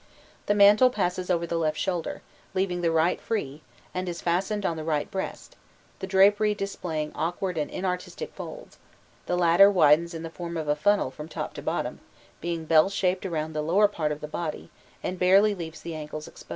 The mantle passes over the left shoulder, leaving the right free, and is fastened on the right breast, the drapery displaying awkward and inartistic folds: the latter widens in the form of a funnel from top to bottom, being bell shaped around the lower part of the body, and barely leaves the ankles exposed.